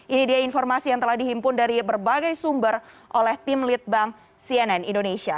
ini dia informasi yang telah dihimpun dari berbagai sumber oleh tim litbang cnn indonesia